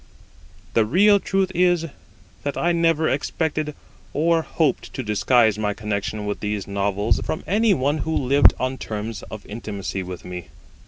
The real truth is, that I never expected or hoped to disguise my connection with these Novels from any one who lived on terms of intimacy with me.